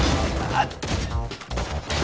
あっ！